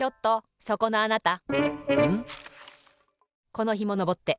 このひものぼって。